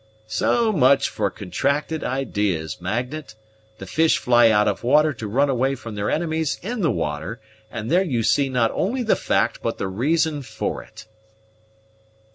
"So much for contracted ideas, Magnet. The fish fly out of water to run away from their enemies in the water; and there you see not only the fact, but the reason for it."